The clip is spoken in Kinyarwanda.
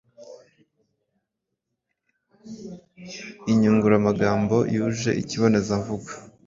Inyungura magambo yuje ikibonezamvugo